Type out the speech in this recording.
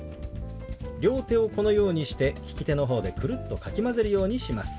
両手をこのようにして利き手の方でくるっとかき混ぜるようにします。